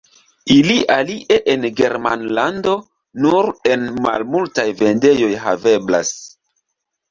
Ili alie en Germanlando nur en malmultaj vendejoj haveblas.